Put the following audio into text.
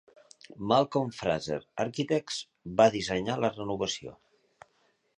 Malcolm Fraser Architects van dissenyar la renovació.